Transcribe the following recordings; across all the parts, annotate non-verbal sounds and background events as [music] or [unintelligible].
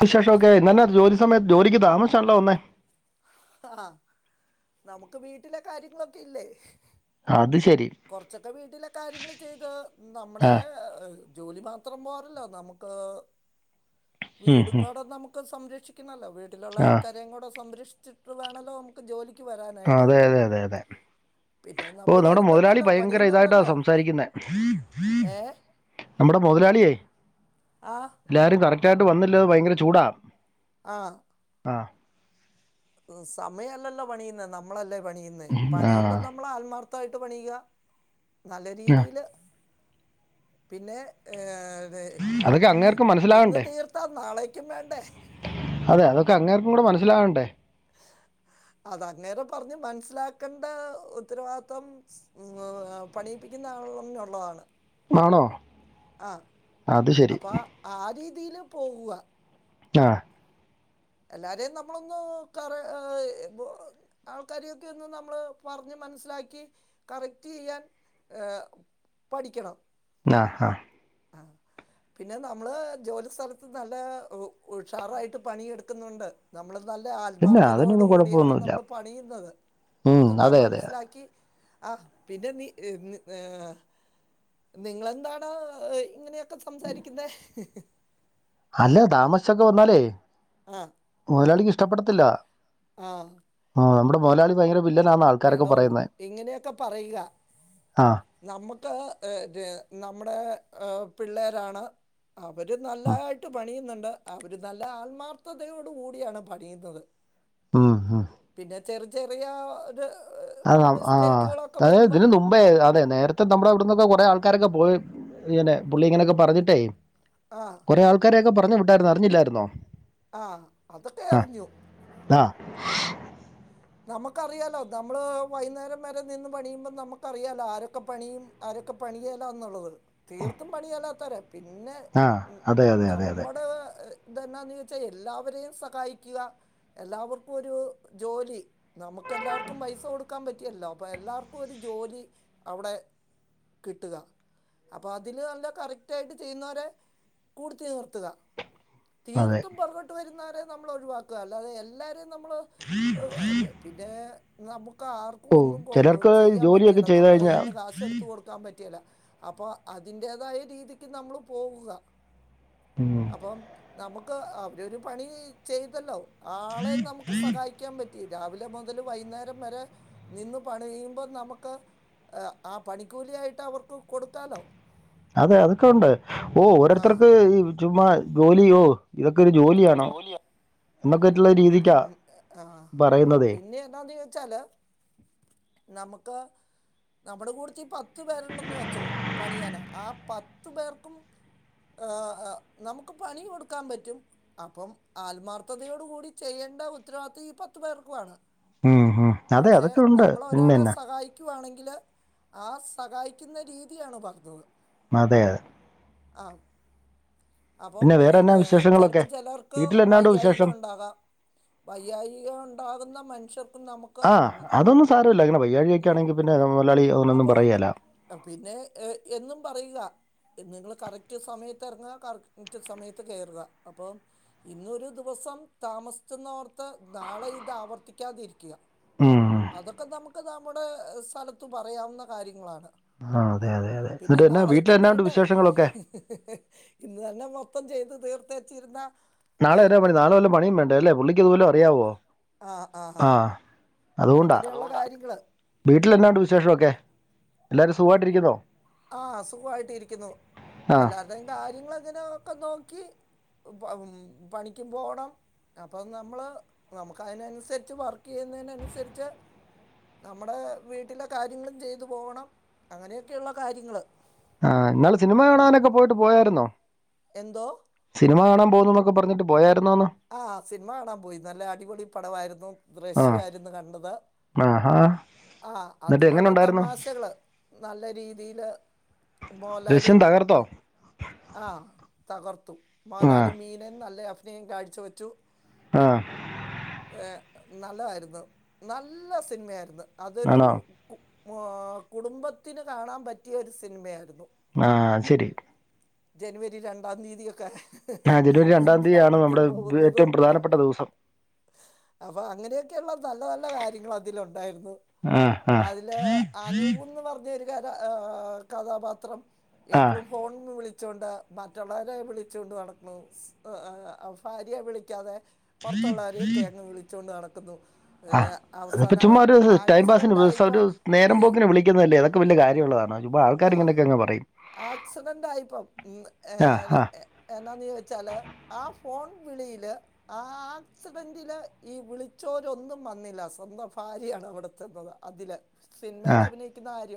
വിശേഷം ഓക്കെ എന്നാ ജോലി സമയത്ത് ജോലിക്ക് താമസനല്ലോ വന്നേ ആഹ് നമുക്ക് വീട്ടിലെ കാര്യങ്ങളൊക്കെ ഇല്ലേ അത് ശരി കൊറച്ചൊക്കെ വീട്ടിലെ കാര്യങ്ങൾ ചെയ്ത് നമ്മുടെ ആ എ ജോലി മാത്രം പോറല്ലോ നമുക്ക് ഉം, ഉം. വീടുന്നട നമുക്ക് ഇപ്പം സംരക്ഷിക്കണല്ലോ വീട്ടിലുള്ള ആ ആൾക്കാരെയും കൂടെ സ് സംരക്ഷ് ചിക്ള് വേണമോ നമുക്ക് ജോലി അതെ അതെ അതെ അതെ പിന്നെ ഓ നമ്മൾ നമ്മുടെ മുതലാളി വരുന്നുണ്ടല്ലോ ഭയങ്കര ഇതായിട്ടാ പണിയുന്നുണ്ടല്ലോ സംസാരിക്കുന്നത് ഏ നമ്മുടെ മുതലാളിയേ ആ ല്ലാരും കറക്റ്റ് തായിട്ട് വന്നില്ലത് ഭയങ്കര ചൂടാ ആ ആ സമയല്ലല്ലോ പണിയുന്ന നമ്മളല്ല പണിയന്ന് ആ പണിയുമ്പോ നമ്മൾ ആത്മാർത്ഥ ത്തായിട്ട് പണിയുക നല്ല ആ. രീതിയില് പിന്നെ ഏ ത് അതൊക്കെ അങ്ങേർക്ക് ഇന്ന് മനസ്സിലാകണ്ടേ തീർത്താ നാളേക്കും വേണ്ടേ കൂ മനസ്സിലാവകണ്ടേ അത് അങ്ങേരെ പറഞ്ഞു മനസ്സിലാക്കേണ്ട ഉത്തരവാദ്ത്തം മ് പണിയിപ്പിക്കുന്ന ആളംന്നുള്ളതാണ് ആണോ അ അത് ശരി അപ്പൊ ആ രീത് തീല് പോകുക ആ എല്ലാരെം നമ്മളൊന്ന് കറ ഏ ദ് ആൾക്കാരെയൊക്കെന്ന് നമ്മള് പറഞ്ഞ് മനസ്സിലാക്കി കറക്റ്റ് ചെയ്യാൻ ഏ പഠിക്കണം ആ ഹ ആ പിന്നെ നമ്മള് ജോലിസലത്ത് നല്ലാ ഉ ഉഷാറായിട്ട് പണിയെടുക്കുന്നുണ്ട് നമ്മള് നല്ല പിന്നെ ആൽമാർത്ഥതയോട് അതിനൊന്നും കൂടിയാണ് കുഴപ്പമൊന്നുമില്ല നമ്മൾ പണിയുന്നത് ഉം അതൊക്കെ അതെ അതെ മനസ്സിലാക്കി ആ പിന്നെ നീ എം ഏ ആ നിങ്ങളെന്താണ് ഒ ഇങ്ങനെയൊക് സംസാരിക്കുന്നെ അല്ല താമസ്ച്ചൊക്കെ വന്നാലേ ആ മൊതലാളിക്കിഷ് ഷ്ടപ്പെടത്തില്ല ആ ആ നമ്മുടെ മൊദലാളി ഭയങ്കര വില്ലനാന്ന് ആൾക്കാരൊക്കെ എടോ പറയുന്നത് ഇങ്ങനെയൊക്കെ പറയ്ക ആ നമ്മുക്ക് ഏ ര നമ്മുടെ ആ പിള്ളേരാണ് അവര് നല്ലതായിട്ട് പണിയുന്നുണ്ട് അവര് നല്ല ആൽമാർത്ഥതയോട് കൂടിയാണ് പണിയുന്നത് ഉം ഉം പിന്നെ ചെറ് ചെറിയ ഹ് അ ആ തേ ഇതിന് നുമ്പേ അതെ നേരത്തെ നമ്മുടെവിട്ന്നൊക്കെ കുറെ ആൾ ക്കാരൊക്കെ പോയി ഇങ്ങനെ പുള്ളി ഇങ്ങനെയൊക്കെ പറഞ്ഞിട്ടേ ആ കൊറേ ആൾക്കാരേക്കെ പ റഞ്ഞു വിട്ടായിരുന്നു അറിഞ്ഞില്ലായിരുന്നോ ആ ആഹ് അതൊക്കെയറിഞ്ഞു ആഹ് നമക്കറിയാലോ നമ്മള് വൈന്നേരംവരെ നിന്ന് പണിയുമ്പോൾ നമുക്കറിയാലോ ആരൊക്കെ പണിയും ആരൊക്കെ പണിയേലാന്നുള്ളത് തീർത്തും പണിയെല്ലാ തരം പിന്നെ ആഹ് ഹ് അതെ അതെ അതെ അതെ നമ്മടെ ഹ് ഇതെന്നാന്ന് വെച്ചാൽ എല്ലാവരേയും സകായിക്കുക എല്ലാവർക്കും ഒരൂ ജോലി നമുക്ക് എല്ലാവർക്കും പൈസ കൊടുക്കാൻ പറ്റില്ലല്ലോ അപ്പൊ എല്ലാർക്കും ഒരു ജോലി അവിടെ കിട്ടുക അപ്പൊ അതില് നല്ല കറക്റ്റായിട്ട് ചെയ്യുന്നൊരെ കൂട്ത്തി നിർത്തുക അതെ തീർത്തും പൊറകോട്ട് വരുന്ന [unintelligible] നമ്മൾ ഒഴിവാക്കുക അല്ലാതെ എല്ലാരും നമ്മള് [unintelligible] [unintelligible] നമുക് [unintelligible] ആർക്കും ഓ ഒന്നും കൊ ചിലർക്ക് ചെയ്യാൻ ജോലിയൊക്കെ പറ്റിയേല്ല ചെയ്ത് നമ്മുടെ കഴിഞ്ഞാ കയ്യിൽ നിന്ന് കാശ് എടുത്ത് കൊടുക്കാൻ പറ്റിയേല്ല അപ്പൊ അതിന്റേതായ രീതിക്ക് നമ്മൾ പോവുക ഉം അപ്പം നമുക്ക് അവരൊരു പണി ചെയ്തല്ലോ ആളെ നമുക്ക് സഹായിക്കാൻ പറ്റ് ഇ രാവ്ൽ രം മുതല് വൈന്നേരം വരെ നിന്ന് പണിയുമ്പോ നമുക്ക് ആ പണിക്കൂലി ആയിട്ട് അവർക്ക് കൊടുക്കാലോ അതെ അതൊക്കെ ഉണ്ട് ഓ ആ ഓരോത്തർക്ക് ഈ ചുമ്മാ ഗോലി ഒ ഇതൊക്കെ ഒരു ജോലിയാണോ നമുക്ക് മ് മ് ങാ പിന്നെ ന്നാല് ച്ചാല് നമുക്ക് നമ്മുടെ കൂട്ത്തി പത്ത് പേരുണ്ടെന്ന് വെച്ചോ പണിയാന് ആ പത്ത് പേർക്കും നമുക്ക് പണി കൊടുക്കാൻ പറ്റും അപ്പം ആത്മാർത്ഥതയോട് കൂടി ചെയ്യേണ്ട ഉത്തരവാദിത്തം ഈ പത്തു പേർക്കുവാണ് ഉം ഹ് അതെ അതൊക്കെ ഉണ്ട് പിന്നെന്ന ല് ആ സഹായിക്കുന്ന രീതിയാണ് പറഞ്ഞത് അതെ അതെ ആ അപ്പം പിന്നെ വേറെന്നാ ചിലപ്പോ വിശേഷങ്ങളൊക്കെ ചിലർക്ക് വീട്ടിലെന്നാണ്ട് വൈയായിക വിശേഷം ഉണ്ടാകാം വൈയായിക ഉണ്ടാകുന്ന മന് ആ അതൊന്നും സാരമില്ല ഇങ്ങനെ വയ്യാഴ്ക ഒക്കെ ആണെങ്കിൽ പിന്നെ അതുപോലെ അപ്പൊ പിന്നെ ഏ എന്നും പറയുക നിങ്ങൾ കറക്റ്റ് സമയത്ത് ഇറങ്ങുക കറക്റ്റ് സമയത്ത് കയറുക അപ്പം ഇന്നൊരു ദിവസം താമസിച്ചുന്ന് ഓർത്ത് നാളെ ഇത് ആവർത്തിക്കാതിരിക്കുക ഉം അതൊക്കെ നമുക് ക്ക് നമ്മുടെ സ്ഥലത് പറയാവുന്ന കാര്യങ്ങളാണ് ആ അതെ അതെ അതെ പിന്നെ എന്നിട്ട് എന്നാ വീട്ടിൽ നാളേക്കും എന്നാണ്ട് വേണ്ടേ വിശേഷങ്ങളൊക്കെ ഇന്ന് തന്നെ മൊത്തം ചെയ്ത് തീർത്തെച്ചിരുന്ന നാളെ എവിടെയാ പണി നാളെ വല്ല പണിയും വേണ്ടേ അല്ലേ പുള്ളിക്കിതുപോലും അറിയാവോ ആ അതുകൊണ്ടാ അങ്ങനെയുള്ള കാര്യങ്ങൾ വീട്ടിൽ എന്നാണ്ട് വിശേഷം ഒക്കെ എല്ലാരും സുഖമായിട്ടിരിക്കുന്നോ ആഹ് സുഖായിട്ട് ഇരിക്കുന്നു ആഹ് എല്ലാരുടെയും കാര്യങ്ങളങ്ങനെ ഒക്കെ നോക്കി പം പണിക്കും പോവണം അപ്പം നമ്മള് നമുക്ക് അയിനനുസരിച്ച് വർക്ക് ചെയ്യുന്നതിനനുസരിച്ച് നമ്മടെ വീട്ടിലെ കാര്യങ്ങളും ചെയ്തു പോവണം അങ്ങനെയൊക്കെള്ള കാര്യങ്ങള് ആ ഇങ്ങള് സിനിമ കാണാനൊക്കെ പോയിട്ട് പോയായിരുന്നോ എന്തോ സിനിമ കാണാൻ പോകുന്നത് പ പർഞ്ഞട്ട് പോയാ ആ സിൻമ കാണാൻ പോയി നല്ല അടിപൊളി പടമായിരുന്നു ആഹ് ദൃശ്യയിരുന്നു കണ്ടത് ആഹാ ആ എന്നിട്ട് എങ്ങനെ അതിലുള്ള ഉണ്ടായിരുന്നു തമാശകള് നല്ല രീതിയില് ദൃശ്യം മോലാലും തകർത്തോ ആഹ് തകർത്തു ആഹ് മോലാലും മീനൻ നല്ലയാ ഫ് ദേ കയ്‌ ച്ചു വെച്ചു ആഹ് നല്ലതായിരുന്നു നല്ല സിൻമയായിരുന്നു അതൊരു ആണോ കു മോ കുടുംബത്തിന് കാണാൻ പറ്റിയ ഒരു സിനിമയായിരുന്നു ആ ശരി ജനുവരി രണ്ടാം തീയതി ഒക്കെ ആ ജനുവരി രണ്ടാം തീയാണ് ത്തി പോകുന്നതും അപ്പൊ അങ്ങനെയൊക്കെയള്ള നല്ല നല്ല കാര്യങ്ങൾ അതിലുണ്ടായിരുന്നു ആഹ് ആഹ് അതില് അനൂപ്ന്ന് പറഞ്ഞ ക ആ കഥാപാത്രം ആഹ് എപ്പഴും ഫോൺ വിളി ച്ചോണ്ട് മറ്റുള്ളവരെ വിളിച്ചോണ്ട് നടക്കുണു. ഭാര്യയെ വിളിക്കാതെ പുറത്തുള്ളവരെ കങ് വിളിച്ചുകൊണ്ട് നട ക്കുന്നു ആ അത്പ്പൊ ചുമ്മാ ഒരു ടൈം പാസിന് ആക്സിഡൻ്റ് ആയപ്പോൾ ഒരു നേരം ഈ പോക്കിന് വിളിക്കുന്നതല്ലേ അതൊക്കെ വലിയ കാര്യമുള്ളതാണോ? ചുമ്മാ ആൾക്കാർ ആഹ് ഇങ്ങനെയൊക്കെ അങ്ങ് പറയും. ആക്സിഡന്റ് ആയിപ്പ ആഹ് ഏഹ് ആഹ് എന്താന്ന് വച്ചാല് ആ ഫോൺ വിളിയില് ആ ആക്സിഡന്റിലെ ഈ വിളിച്ചോരൊന്നും വന്നില്ല. സ്വന്തം ഭാര്യാണ് അവിടെ ചെന്നത് അതില് സിനിമയിൽ ആഹ് അഭിനയിക്കുന്ന ആര്യ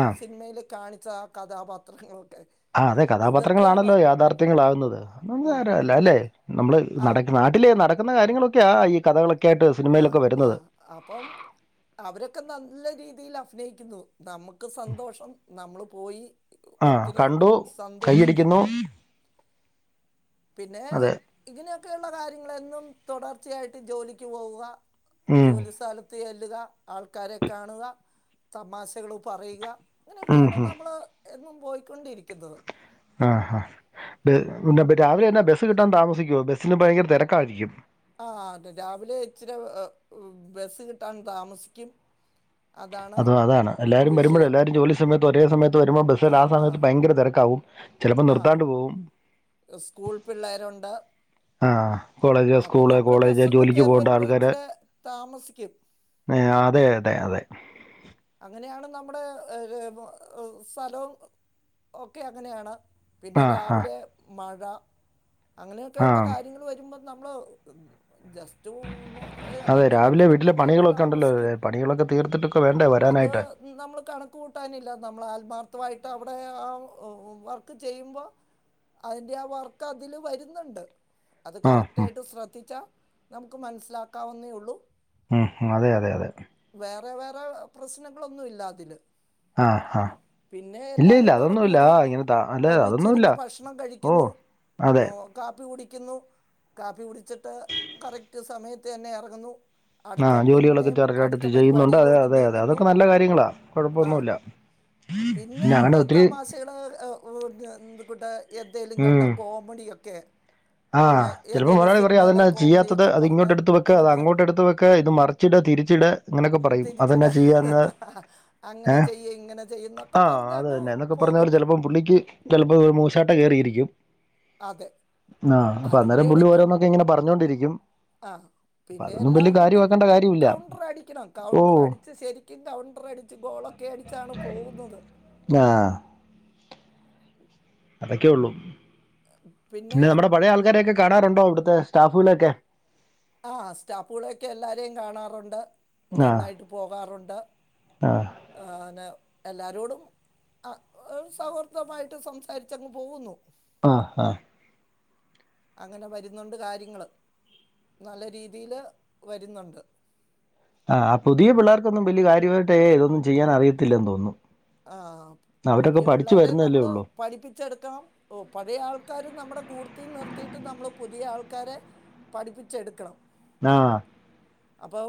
ആ ആഹ് സിനിമയില് കാണി കഥാപാത്രങ്ങള് ആ അതെ കഥാപാത്രങ്ങളാണല്ലോ യാഥാർത്ഥ്യങ്ങൾ ആകുന്നത്. ഉം അല്ല ഉം അല്ലെ നമ്മള് നട ആഹ് നാട്ടിലെ നട ക്കുന്ന കാര്യങ്ങളൊക്കെയ ഈ കഥകള് ആ ആ അപ്പം അവരൊക്കെ നല്ല രീ തിയിൽ അഫിനയിക്കുന്നു. നമുക്ക് സന്തോഷം. നമ്മള് പോയി ആഹ് ഒത്തിരി കണ്ടു കൈയടിക്കുന്നു സന്തോഷിക്കുന്നു പിന്നെ അതെ ഇങ്ങനെയൊ ഒക്കെയുള്ള കാര്യങ്ങളെന്നും തുടർച്ചയായിട്ട് ജോലിക്ക് പോവുക ഉം ജോലി സ്ഥല ത്തി ചെല്ലുക ആൾക്കാരെ കാണുക തമാശകൾ പറയുക ഉം ഇങ്ങനെയൊക്കെയാണ് ഉം നമ്മള് എന്നും പോയിക്കൊണ്ടിരിക്കുന്നത് ആഹ് ഹാ എന്താ ഇപ്പോ രാവിലെ എന്നെ ബസ്സ് കിട്ടാൻ താമസിക്കുവോ ബസ്സിന് ഭയങ്കര തിരക്കായിരിക്കും ആഹ് അതെ രാവിലെ ഇച്ചിരി ബസ് കിട്ടാൻ താമസിക്കും അതാണ് അതോ അതാണ് എല്ലാവരും വരുമ്പോഴും വിഷയം എല്ലാരും ജോലി സമയത്ത് ഒരേ സമയം രുമ്പോ ബസ്സിൽ ആ സമയത്ത് ഭയങ്കര തിരക്കാവും ചിലപ്പോൾ ആഹ് നിർത്താണ്ട് പോകും സ്കൂൾ പിള്ളേരുണ്ട് ആഹ് കോളേജ് അപ്പം സ്കൂള് നമ്മൾ കോളേജ് ബസ്സൊക്കെ ജോലിക്ക് കയറി പോകേണ്ട വരുമ്പോൾ ആൾക്കാർ ഇച്ചിരി താമസിക്കും അതെ അതെ അതെ അങ്ങനെയാണ് നമ്മുടെ ഇത് സ്ഥലവും ഒക്കെ അങ്ങനെയാണ് പിന്നെ ആ ആ രാവിലെ മ [unintelligible] ആ അങ്ങനെയൊക്കെയുള്ള കാര്യങ്ങൾ വരുമ്പോൾ നമ്മള് അതെ പത്ത് രാവിലെ വീട്ടിലെ മിനിറ്റൊക്കെ ഒന്ന് പണികളൊക്കെ ഉണ്ടല്ലോ താമസിക്കും പണികളൊക്കെ തീർത്തിട്ടൊക്കെ വേണ്ടേ വ അത് നമ്മൾ കണക്ക് കൂട്ടാനില്ല നമ്മൾ ആത്മാർത്ഥമായിട്ട് അവിടെ ആ വർക്ക് ചെയ്യുമ്പോ അതിന്റെ ആ വർക്ക് അതില് വരുന്നുണ്ട് അത് ആ കറക്റ്റ് ഉം, ആയിട്ട് ശ്രദ്ധിച്ചാ നമുക്ക് മനസ്സിലാക്കാവുന്നേ ഉള്ളൂ ഉം അതെ അതെ അതെ വേറെ വേറെ പ്രശ്നങ്ങളൊന്നും ഇല്ല അതില് ആ ആ പിന്നെ ഇല്ല ഇല്ല എല്ലാരും കൂടെ അതൊന്നുമില്ല കൂടി ആ, ഇങ്ങനെ താ- അല്ല അതൊന്നുമില്ല ഒന്നിച്ചിരുന്നു ഭക്ഷണം ഓ കഴിക്കുന്നു അതെ കാപ്പി കുടി രുന്നു കാപ്പി കുടിച്ചിട്ട് കറക്റ്റ് സമയത്ത് തന്നെ ഇറങ്ങുന്നു അടുത്ത പിന്നെ ഇവിടെ അടുത്ത് ചെയ്യുന്നുണ്ട് അതെ അതെ അതെ അതൊക്കെ നല്ല കാര്യങ്ങളാ ആ കൊഴപ്പൊന്നുല്ല പിന്നെ ഞാനൊത്തിരി ന്തുകുട്ടായ് എന്തേലും കണ്ടാ കോമഡിയ കെ ആ ചെലപ്പോ മൊതലാളി പറയാ അതന്നാ ചെയ്യാത്തത് കോമഡിയൊക്കെ അത് ഇങ്ങോട്ട് പറഞ്ഞ് എടുത്ത് വെക്ക് അത് അങ്ങോട്ട് എടുത്ത് വെക്ക് ഇത് മറിച്ചിട് തിരിച്ചിട് അങ്ങനെക്കെ പറയും തിരിച്ചിട അതെന്നാ ചെയ്യാന്ന് ഏ അങ്ങനെ ചെയ്യ ഇങ്ങനെ ചെയ്യുന്നൊക്കെ ആ പറഞ്ഞ് അത് അങ്ങ് തന്നെ എന്നൊക്കെ പറഞ്ഞപോലെ പോകുന്നു ചെലപ്പം പുള്ളിക്ക് ചെലപ്പൊ മൂശാട്ട കേറിയിരിക്കും. അതെ ആഹ് അപ്പൊ അതിന്റെ അന്നേരം പുള്ളി എടയ്ക്കും ഓരോന്നൊക്കെ ഇങ്ങനെ പറഞ്ഞോണ്ടിരിക്കും ആ അപ്പൊ പിന്നെ അതൊന്നും വലിയ എല്ലാവർക്കിട്ടും കാര്യമാക്കേണ്ട കാര്യമില്ല കൗണ്ടർ അടിക്കണം കൗണ്ടർ ഓഹ് അടിച്ച് ശരിക്കും കൗണ്ടർ അടിച്ച് ഗോളൊക്കെ അടിച്ചാണ് പോകുന്നത്. ആഹ് അതൊക്കെ ഒള്ളു പിന്നെ നമ്മടെ പഴയ ആൾക്കാരെക്കെ കാണാറുണ്ടോ ഇവിടത്തെ സ്റ്റാഫൂ നൊക്കെ? ആ സ്റ്റാഫുകളെക്കെ എല്ലാരേം കാണാറ്ണ്ട്. ആഹ് നന്നായിട്ട് പോകാറുണ്ട്. ആഹ് ആ ന് എല്ലാ രോടും അ ഒര് സൗഹൃദമായിട്ട് സംസാരിച്ചങ്ങ് പോവുന്നു. ആ ആ അങ്ങനെ വര്ന്നുണ്ട് കാര്യങ്ങള് നല്ല രീതിയില് വര്ന്നുണ്ട്. ആ ആ പുതിയ പിള്ളേർക്കൊന്നും വലിയ കാര്യമായിട്ടേ ഇതൊന്നും ചെയ്യാൻ അറിയത്തില്ലന്ന് തോന്നുന്നു ആ അവരൊക്കെ പുതിയ പഠിച്ചു പിള്ളേരെ വരുന്നതല്ലേ നമ്മള് ഉള്ളൂ പഠിപ്പിച്ചെടുക്കണം പഴയ ആൾക്കാരും നമ്മുടെ കൂട് ത്തിൽ നിർത്തിയിട്ട് നമ്മള് പുതിയ ആൾക്കാരെ പഠിപ്പിച്ചെടുക്കണം ആ അപ്പൊ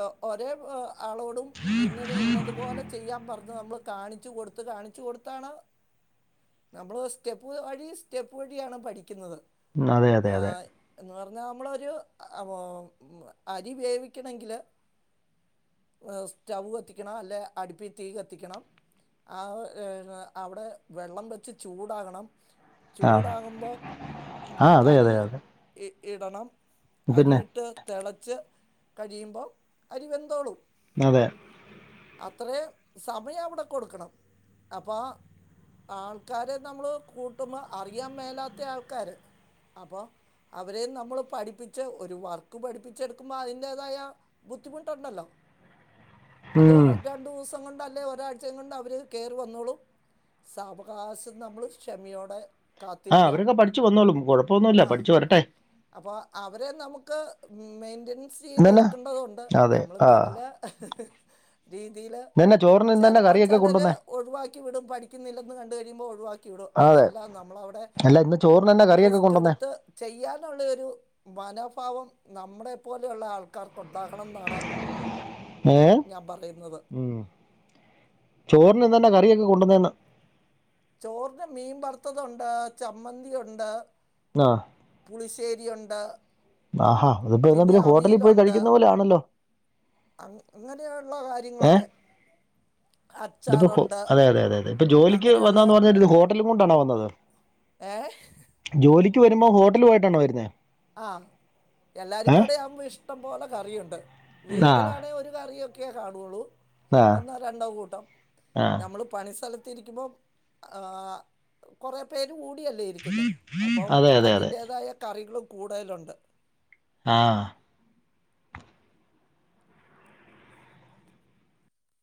ആ ഒരേ ആ ആളോടും ഇന്നത് ഇന്നതുപോലെ ചെയ്യാൻ പറഞ് താ നമ്മള് കാണിച്ചു കൊടുത്ത് കാണിച്ചു കൊടുത്താണ് നമ്മള് സ്റ്റെപ്പ് വഴി സ്റ്റെപ്പ് വഴിയാണ് പഠിക്കുന്നത് ഉം അതെ അതെ ആ, അതെ എന്ന് നമ്മളൊരു ആ അരി വേവിക്കണെങ്കില് സ്റ്റവ് കത്തിക്കണം അല്ലെ അടുപ്പി തീ കത്തിക്കണം ആ ഏഹ് അവിടെ വെള്ളം വെച്ച് ചൂടാകണം ആ ചൂടാകുമ്പോൾ ഉം ആ അതെ അരി അതെ അതെ ഇ ഇടണം അരി പിന്നെ ഇട്ട് തെളെ വച്ച് കഴിയുമ്പോ അരിവെന്തോളും അതെ അത്രേ സമയം അവിടെ കൊടുക്കണം അപ്പ ആൾക്കാരെ നമ്മള് കൂട്ടുമ്പ അറിയാൻ മേലാത്ത ആൾക്കാര് അപ്പോ അവരേം നമ്മള് പഠിപ്പിച്ച് ഒരു വർക്ക് പഠിപ്പിച്ച് എടുക്കുമ്പോൾ അതിന്റെതായ ബുദ്ധിമുട്ടുണ്ടല്ലോ അത് ഉം. രണ്ടു ദിവസം കൊണ്ടല്ല ല്ലേ ഒരായ്‌ റ്റയും കൊണ്ട് അവര് കേറി വന്നോളും സാവകാശം നമ്മള് ക്ഷമയോടെ ആഹ് കാത്തിരിക്കുക അവരൊക്കെ പഠിച്ചു വന്നോളും കുഴപ്പൊന്നുമില്ല ആ പഠിച്ചു വരട്ടെ അപ്പോൾ അവരെ നമുക്ക് മെയ്‌ൻ ഇന്നന്നെ എൻസീതെടുക്കെണ്ടതുണ്ട് നമ്മള് നല്ല നന്നെ ചോറിനെന്താണ്ട് കറി തലക് ഒഴിവാക്കി വിടും പഠിക്കുന്നില്ലെന്ന് കണ്ട് കഴിയുമ്പോ ഒഴിവാക്കി വിടും അതെ അതെല്ല നമ്മളവിടെ അല്ല ഇന്ന് ചോറിന് തന്നെ കറിയൊക്കെ റിസ്ക് കൊണ്ടുവന്നേ എടുത്ത് ചെയ്യാനുള്ള ഒരു വനം ഫാവം നമ്മടെ പോലെയുള്ള ആൾക്കാർക്ക് ഉണ്ടാഹണം ന്നാണ് ഏഹ് ഉം ചോറിന് എന്താന്നാകറി ഒക്കെ കൊണ്ടന്നന്ന് ചോറിന് മീൻ വറുത്തതുണ്ട് ചമ്മന്തി ഉണ്ട് ആ പുളിശ്ശേരിയുണ്ട് ആഹാ ഇതിപ്പോ എന്നാ പിന്നെ ഹോട്ടലിൽ പോയി അവിയലുണ്ട് കഴിക്കുന്ന പോലെ ആണല്ലോ അങ്ങനെയുള്ള ഏ കാര്യങ്ങളൊക്കെ ഇതിപ്പോ അച്ചാറുണ്ട് അതെ അതെ അതെ അതെ ഇപ്പൊ ജോലിക്ക് അങ്ങനെയുള്ള വന്നാന്ന് പർഞ്ഞ ഹോട്ടലുംകൊണ്ടാണോ വന്നത് ഏഹ ക്ക് വരുമ്പോ ഹോട്ടലു ആയിട്ടാണോ വരുന്നേ ആ എല്ലാരും കൂടെ ആവുമ്പോ ഇഷ്ടം പോലെ കറിയുണ്ട് ആ വീട്ടിലാണെ ഒരു കാറിയെ ഒക്കിയേ കണോള്ളു ആ ഒന്നാ രണ്ടോ കൂട്ടം ആ നമ്മള് പണിയിസ്തല്ല തിരിക്കുമ്പോ ആ കുറയെപേരും ഊണ് യല്ലേ ഇരിക്കുന്നെ അപ്പം അതെ അതെ അതെ അതിന്റെതായ കറികള്ളും കൂടെലുണ്ട് ആ